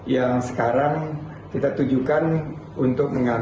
yang sekarang kita tujukan untuk mengambil